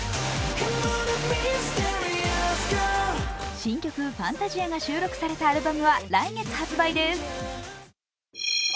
新曲「Ｆａｎｔａｓｉａ」が収録されたアルバムは来月発売です。